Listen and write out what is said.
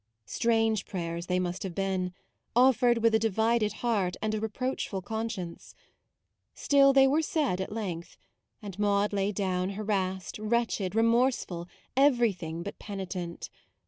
Strange prayers they must have been, offered with a divided heart and a reproachful conscience. Still they were said at length; and Maude lay down harassed, wretched, remorseful, everything but penitent.